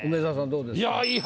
どうですか？